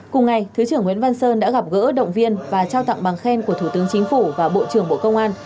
cùng ngày thứ trưởng nguyễn văn sơn đã gặp gỡ động viên và trao tặng bằng khen của thủ tướng chính phủ và bộ trưởng bộ công an